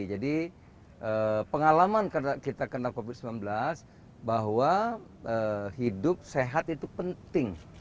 jadi pengalaman kita karena covid sembilan belas bahwa hidup sehat itu penting